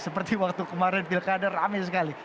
seperti waktu kemarin pilkader amin sekali